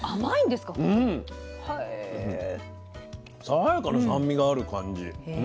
爽やかな酸味がある感じ。